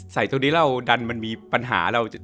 ใส่ตัวนี้เราดันมันมีปัญหาเรา